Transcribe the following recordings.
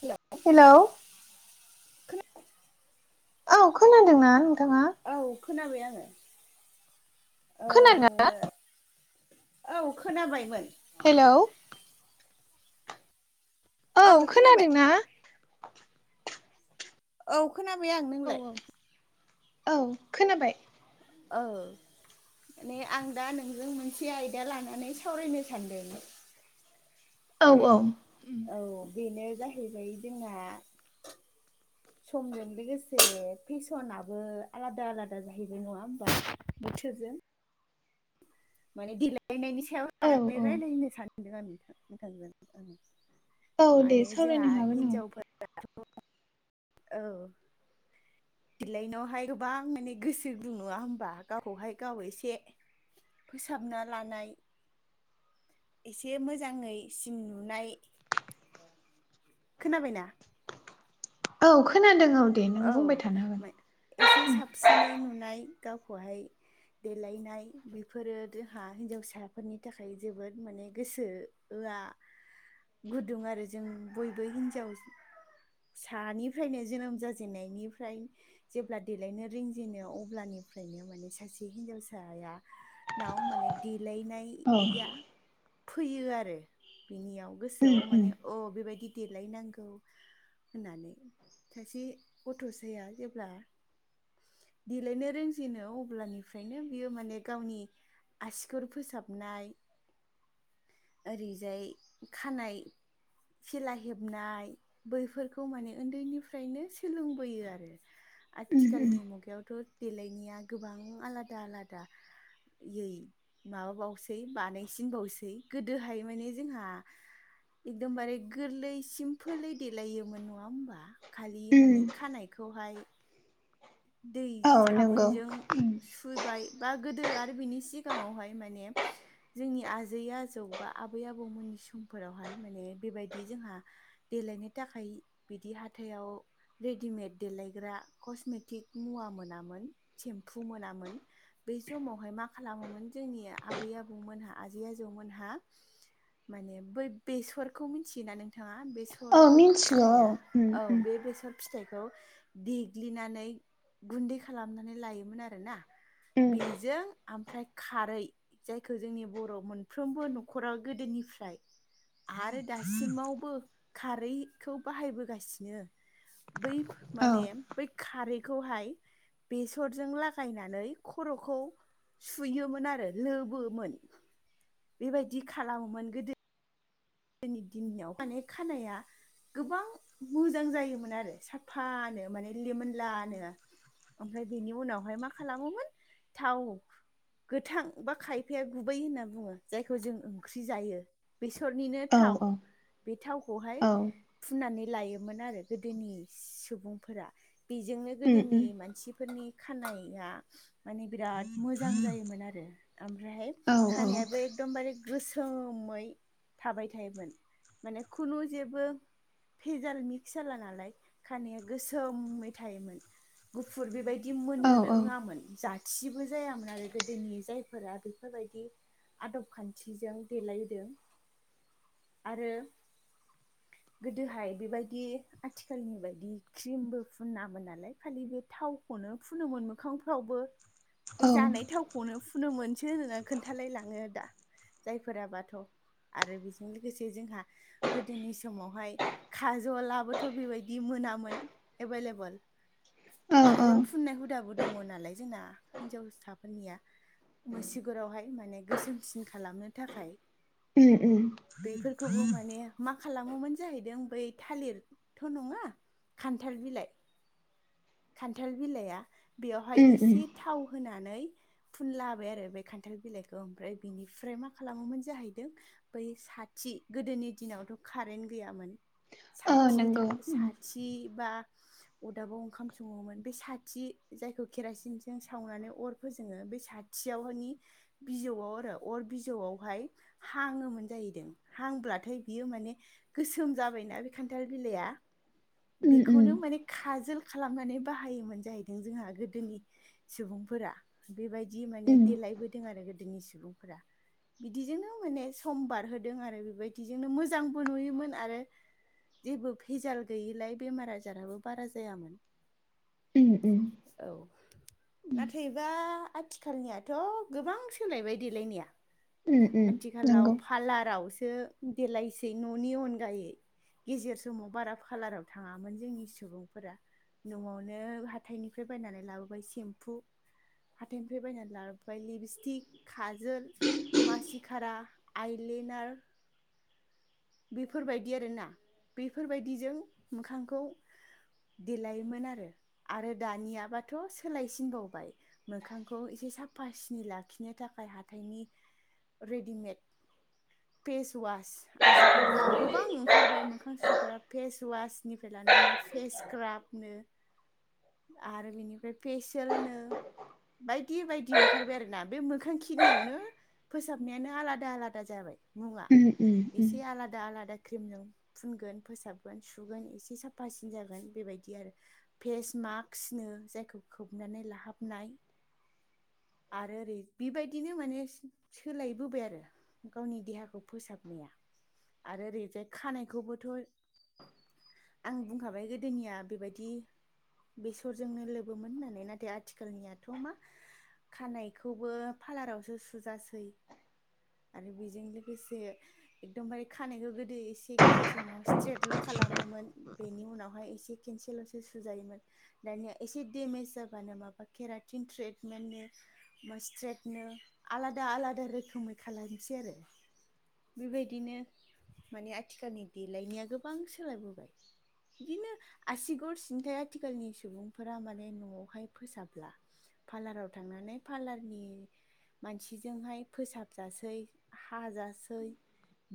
हेल' hello औ खोनादों ना नोंथाङा औ खोनाबाय आङो ओ खोना दोंना औ खोनाबायमोन हेल' औ खोनादोंना औ खोनाबाय आंनो औ औ औ खोनाबाय औ माने आं दा नोंजों मोनसे आयदा लानानै सावरायनो सानदों औ औ औ बेनो जाहैबाय जोंना [unintelligible] समजों लोगोसे फेसनाबो आलादा आलादा जाहैबाय नङा होमबा बोथोरजों माने देलायनायनि सायाव औ लानानै औ रायज्लायनो सानदों आं नोंथां नोंथां औ दे माने सावरायनो जोंहा हागोन हिन्जावफोरा औ [unintelligible] गोबां माने गोसो बुं नाङा होमबा गावखौहाय गाव एसे फोसाबना लानाय एसे मोजाङै सिन नुनाय खोनाबायना औ खोनादों औ दे नों बुंबाय थानो हागोन साबसिन नुनाय गावखौहाय देलायनाय बेफोरो जोंहा हिनजावसाफोरनि थाखाय जोबोद माने गोसो आ गुदुं आरो जों बयबो हिन्जाव फिसानिफ्रायनो जोनोम जाजेननायनिफ्राय जेब्ला देलायनो रोंजेनो अब्लानिफ्रायनो माने सासे हिनजावसाया ाव माने औ देलायनाया फैयो आरो बिनियाव उम गोसोआव उम माने अ बेबायदि देलायनांगौ होननानै सासे गथ'साया जेब्ला देलायनो रोंजेनो अब्लानिफ्रायनो बियो माने गावनि आससिखुर फोसाबनाय ओरैजाय खानाय सेला हेबनाय बैफोरखौ माने उन्दैनिफ्रायनो सोलोंबोयो आरो उम उम आथिखालनि मुगायावथ' देलायनाया गोबां आलादा आलादा माबाबावसै बानायसिनबावसै गोदोहाय माने जोंहा एकदमबारे गोरलै सिमपोलै देलायोमोन नङा होमबा खालि उम माने खानायखौहाय दै औ नंगौ साबोनजों उम सुबाय बा गोदो आरो बिनि सिगाङावहाय माने जोंनि आजै आजौ बा आबै आबौमोननि समफोरावहाय माने बेबायदि जोंहा देलायनो थाखाय बिदि हााइाव रेडिमेड देलायग्रा कसमेटिक मुवा मोनामोन सेम्फु मोनामोन बै समावहाय मा खालामोमोन जोंनि आबै आबौमोनहा आजै आजौमोनहा माने बै बेसरखौ मिथियोना नोंथाङा औ बेसर बेर मिन्थिगौ औ फिथाइआ उम उम औ बे बेसर फिथाइखौ देग्लिनानै गुन्दै खालामनानै लायोमोन आरो ना उम बेजों ओमफ्राय खारै जायखौ जोंनि बर' मोनफ्रोमबो न'खराव गोदोनिफ्राय आरो दासिमावबो खारैखौ बाहायबोगासिनो बै औ माने बै खारै खौहाय बेसरजों लागायनानै खर'खौ सुयोमोन आरो लोबोमोन बेबायदि खालामोमोन गोदो जोंनि दिनाव माने खानाया गोबां मोजां जायोमोन आरो साफानो माने लेमोनलानो ओमफ्राय बेनि उनावहाय मा खालामोमोन थाव गोथां बा खायफाया गुबै होनना बुङो जायखौ जों ओंख्रि जायो बेसरनिनो औ थाव औ बे थावखौहाय औ फुननानै लायोमोन आरो गोदोनि सुबुंफोरा बेजोंनो उम गोदोनि उम मानसिफोरनि खानाया माने बिराद मोजां जायोमोन आरो ओमफ्रायहाय औ औ खानायाबो एकदमबारे गोसोमै थाबाय थायोमोन माने खुनु जेबो भेजाल मिक्स जाला नालाय खानाया गोसोमै थायोमोन। गुफुर बेबायदि मोननो औ रोङामोन जा जाथिबो जायामोन आरो गोदोनि जायफोरा बेफोरबायदि आदब खान्थिजों देलायदों आरो [inaudible] गोदोहाय बेबायदि आथिखालनि बायदि क्रिमबो फुनामोन नालाय खालि बे थाव नो फुनोमोन मोखांफ्रावबो बे औ जानाय थाव हनो फुनो मोनसो नोङो खोन्थालाय लाङो दा जायफोर बाथ' आरो बिदि बे लोगोसे जोंहा गोदोनि समावहाय खाजलाबोथ' बेबायदि मोनामोन एभेलेबोल औ खाजल फुननाय हुदाबो दङ नालाय जोंना हिन्जावसाफोरनिया मुसगुरावहाय माने गोसोमसिन खालामनो थाखाय उम - उम। बेफोरखौबो माने मा खालामोमोन जाहैदों बै थालिरथ' नङा खान्थाल बिलाइ खान्थाल बिलाइआ बेवहाय उम उम एसे थाव होनानै फुनला बाय आरो बे खान्थाल बिलाइखौ ओमफ्राय बिनिफ्राय मा खालामोमोन जाहैदों बै साथि गोदोनि दिनावथ' कारेन्ट गैयामोन औ साथि नंगौ साथि [unintelligible] बा अरदाबाव ओंखाम सङोमोन बे साथि जायखौ केरासिनजों सावनानै अर फोजोङो बे सा खाथियावहाय बिजौआव आरो अर बिजौआवहाय हाङोमोन जाहैदों हांब्लाथाय बियो माने गोसोम जाबायना बे खान्थाल बिलाइआ उम उम बेखौनो माने खाजोल खालामनानै बाहायोमोन जाहैदों जोंहा गोदोनि सुबुंफोरा बेबायदि दि माने उम देलायबोदों आरो गोदोनि सुबुंफोरा बिदिजोंनो माने सम बारहोदों आरो बेबायदिजोंनो मोजांबो नुयोमोन आरो जेबो फेजाल गैयिलाय बेमार आजाराबो बारा जायामोन। उम उम औ नाथायबा आथिखाल आथिखालनियाथ' गोबां सोलायबाय देलायनाया उम उम आथिखालाव नंगौ पारलारावसो देलायसै न'नि अनगायै गेजेर समाव बारा खाालाराव थाङामोन जोंनि सुबुंफोरा न'आवनो हाथथायनिफ्राय बायनानै लाबोबाय सेम्फु हाथथायनिफ्राय बायनानै लाबोबाय लिपस्टिक, खाजोल, मासिकारा आइलेनार बेफोरबायदि आरोना बेफोरबायदिजों मोखांखौ देलायोमोन आरो आरो दानियाबाथ' सोलायसिनबावबाय मोखांखौ एसे साफा सिनि लाखिनो थाखाय हाथाइनि रेडिमेड फेस वास आजिखालिथ' गोबां ओंखारबाय मोखां सुग्रा फेस वासनिफ्राय लानानै फेस सक्राबनो औ। आरो बिनिफ्राय फेसियेलनो बायदि बायदि ओंखारबाय आरो ना बे मोखां खिनियावनो फोसाबनायानो आलादा आलादा जाबाय मुंङा उम उम उम एसे आलादा आलादा क्रिमजों फुनगोन फोसाबगोन सुगोन एसे साफासिन जागोन बेबायदि आरो फेस मास्कनो जायखौ खोबनानै लाहाबनाय आरो ओरै बेबायदिनो माने सोलायबोबाय आरो गावनि देहाखौ फोसाबनाया। आरो ओरैजाय खानायखौबोथ' आं बुंखाबाय गोदोनिया बेबायदि बेसरजोंनो लोबोमोन होननानै नाथाय आथिखालनियाथ' मा खानायखौबो पार्लारावसो सुजासै आरो बेजों लोगोसे एकदमबार खानायखौ गोदो एसे गेजेरजोंाव स्ट्रेटल' खालामोमोन बेनि उनावहाय एसे केन्सेल'सो सुजायोमोन दानिया एसे देमेज जाबानो माबा केराटिन ट्रिटमेन्टनि हा स्ट्रेटनो आलादा आलादा रोखोमै खालामसै आरो बेबायदिनो माने आथिखालनि देलायनाया गोबां सोलायबोबाय बिदिनो आसिगर सिन्थाय आथिखालनि सुबुंफोरा माने न'आवहाय फोसाब्ला पार्लाराव थांनानै पार्लारनि मानसिजोंहाय फोसाबजासै हाजासै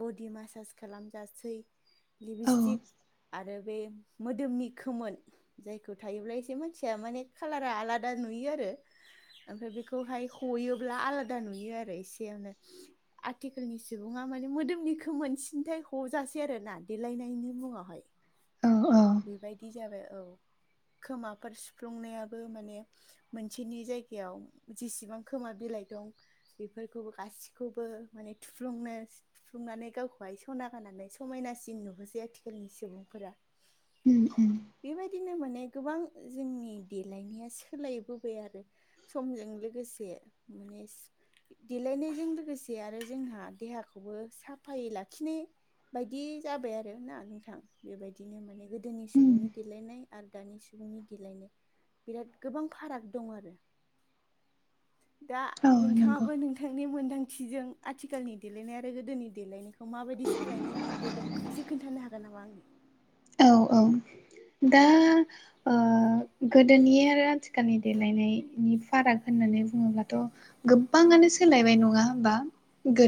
बडि मासास खालामजासै औ लिपस्टिक आरो बे मोदोमनि खोमोन जायखौ थायोब्ला एसे मानसिया माने कालारा आलादा नुयो आरो ओमफ्राय बेखौहाय हयोब्ला आलादा नुयो आरो एसेयावे आथिखालनि सुबुङा थमाने मोदोमनिखौ मोनसिनथाय हजाासै आरो ना देलायनायनि मुङावहाय औ औ बेबायदि जाबाय औ खोमाफोर सिुफ्लुंनायाबो माने मोनसेनि जायगायाव जेसिबां खोमा बिलाइ दं बेफोरखौबो गासिखौबो माने थुफ्लुंनो सुंनानै गावखौहाय सना गनानै समायनासिन नुहोसै आथिखालनि सुबुंफोरा उम उम बेबायदिनो माने गोबां जोंनि देलायनाया सोलायबोबाय आरो समजों लोगोसे माने देलायनायजों लोगोसे आरो जोंहा देहाखौबो साफायै लाखिनो बायदि जाबाय आरोोना नोंथां बेबायदिनो माने गोदोनि उम सुबुंनि देलायनाय आरो दानि सुबुंनि देलायनाय बिराद गोबां फाराग दं आरो। दा औ नंगौ नोंथाङाबो नोंथांनि मोन्दांथिजों आथिखालनि देलायनाय आरो गोदोनि देलायनायखौ माबायदि सोलायनाय मोनबोदों एसे खोन्थानो हागोन नामा आंनो औ औ दा गोदोनि आरो आथिखालनि देलायनायनि फाराग होननानै बुङोब्लाथ' गोबाङानो सोलायबाय नङा हबा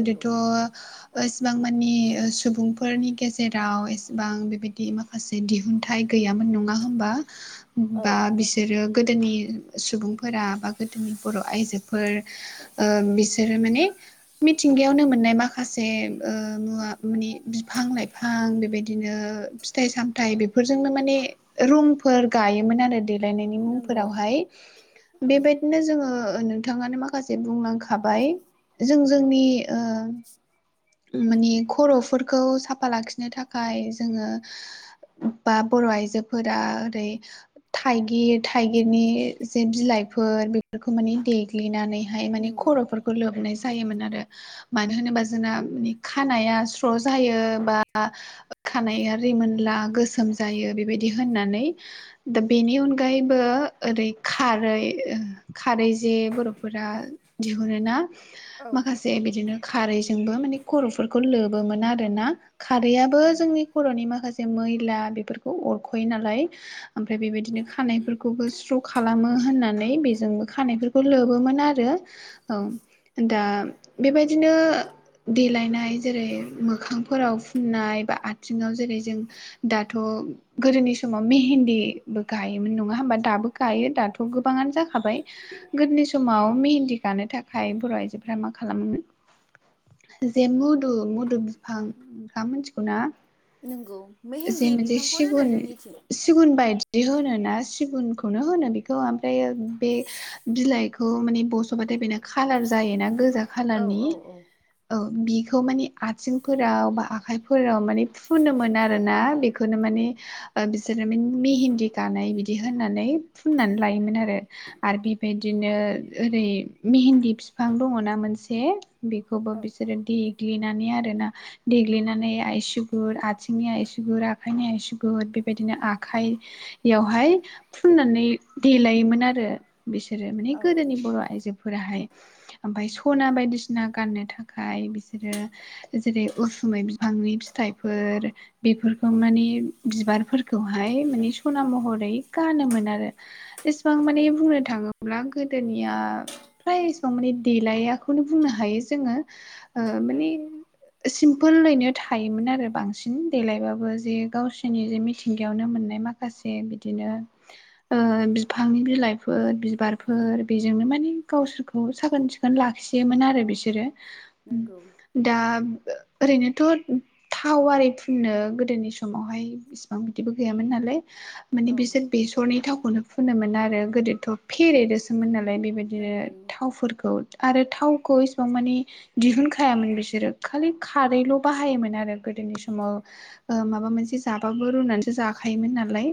नंगौ एसेबां मानि सुबुंफोरनि गेजेराव एसेबां बेबायदि माा माखासे दिहुनथाइ गैयामोन नङा औ होनबा बिसोरो गोदोनि सुबुंफोरा बा गोदोनि बर' आइजोफोर बिसोरो माने मिथिंगायावनो मोननाय माखासे मुवा मानि बिफां लाइफां बिफां बेबायदिनो फिथाइ सामथ बेफोरजोंनो माने रुमफोर गायोमोन आरो देलायनायनि नंगौ मुंफोरावहाय औ बेबायदिनो जोङो नोंथाङानो माखासे बुंलांखाबाय जों जोंनि माने खर'फोरखौ साफा लाखिनो थाखाय जोङो बा बर' आइजोफोरा ओरै थाइगिर थाइगिरनि जे बिलाइफोर बेफोरखौ माने दे- देनानैहाय माने नंगौ खर'फोरखौ लोबनाय जायोमोन आरो मानो होनोबा जोंना। माने खानाया स्र' जायो बा खानाइआ रिमोनला गोसोम जायो बेबायदि होननानै दा बेनि अनगायैबो ओरै खारै। खारै जे बर'फोरा दिहुनो ना औ माखास- जे बिदिनो खारैजोंबो माने खर'फोरखौ लोबोमोन आरोना खारैआबो औ जोंनि खर'नि माखासे मैला बेफोरखौ अरख'यो नालाय ओमफ्राय बेबायदिनो खानायफोरखौबो स्र' खालामो होननानै बेजोंबो खानायफोरखौ लोबोमोन आरो औ दा बेबायदिनो देलायनाय जेरै मोखांफोराव फुननाय बा आथिंङाव जेरै जों दाथ' गोदोनि समाव मेहेन्ददिबो गायोमोन नंङा होमबा दाबो गायो दाथ' गोबाङानो जाखाबाय। गोदोनि समाव मेहेन्दी गानो थाखाय बर' आइजोफोरा मा खालामोमोन। जे मदु -मुदु बिफां नोंथांङा मिथिगौ ना? नंगौ मेहेन्दी बिफांखौनो होनो जोंनिथिं सिगुन बायदि होनो ना सिगुनखौनो होनो बेखौ ओमफ्रायो बे बिलाइखौ माने बस'बाथाय बेना खाालार जायोना गोजा औ खाालारनि। औ औ औ बिखौ माने आथिंफोराव बा आखाइफोराव माने फुनो मोन आरो ना बेखौ बेखौनो माने बिसोरो मेहेन्दी गानाय बिदि होननानै फुननानै लायोमोन आरो आरो बेबायदि बिदिनो ओरै मेहेन्द बिफां दङ ना मोनसे बेखौबो औ बि देग्लिनानै आरोना देग्लिनानै आसिगुर आथिंनि आसिगुर आ- आखायनि आसुगुर बेबायदिनो आखाइ बेयावहाय फुननानै देलायोमोन आरो। बिसोरो माने औ गोदोनि बर' आइजोफोराहाय ओमफ्राय सना बायदिसिना गाननो थाख- -खाय बिसोरो जेरै उसुमै बिफांनि -फिथाइफोर बेफोरखौ माने बिबारफोरखौहाय माने सना महरै गानोमोन आरो। एसेबां माने औ बुंनो थांङोब्ला गोदोनिया फ्राय एसेबां माने देलायाखौनो बुंनो हायो जोंङो ओ औ माने सिमपोलनो थायोमोन आरो बांसिन देलायबाबो जे गावसोरनि जे मिथिंगायावनो मोननाय माख- माखासे बिदिनो। ओ बिफांनि बिलाइफोर बिबारफोर बेजोंनो माने गावसोरखौ साखोन- सिखोन लाखियोमोन आरो बिसोरो नोंगौ दा ओरैनोथ' थाव आरि फुननो गोदोनि समावहाय। इसिबां बिदिबो गैयामोन नालाय माने औ बिसोर बेसरनि थावखौनो फुनोमोन आरो गोदोथ' फेरेदोसो -मोन नालाय बेबायदिनो नंगौ थावफोरखौ आरो थावखौ एसेबां मानि दिहुनखायामोन बिसोरो खालि खारैल' बाहायोमोन आरो गोदोनि समाव। ओ माबा मोनसे जाबाबो रुनानैसो जाखायोमोन नालाय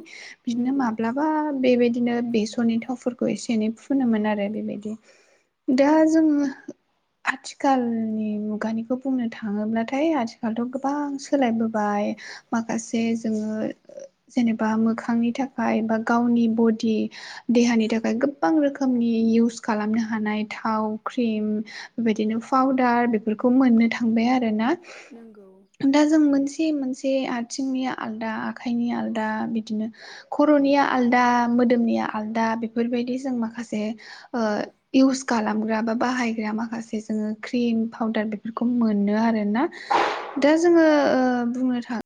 बिदिनो नंगौ माब्ला -बा बेबायदिनो बेसरनि थावफोरखौ एसे एनै फुनोमोन आरो बेबायदि दा औ जों आथि -खालनि मुगानिखौ बुंनो थांङोब्लाथाय आथिखालथ' गोबां सोलायबोबाय माखासे जोंङो जेनेबा मोखांनि थाखाय बा गावनि ब'डि देहानि थाखाय गोबां रोखोमनि इउस खालामनो हानाय थाव क्रिम बेबायदिनो फावदार बेफोरखौ मोननो थांबाय आरोना। नोंगौ। दा जों मोनसे मोनसे आथिंनि आलदा आखाइनि आलदा बिदिनो खर'निया आलदा, मोदोमनिया आलदा, बेफोरबायदि जों माखासे इउज खालामग्रा बा बाहायग्रा माखासे जोङो क्रिम पाउदार बेफोरखौ मोनो आरोना दा जोङो ओ बुंनो थाङो।